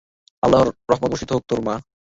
আল্লাহর রহমত বর্ষিত হোক তোর-- মা!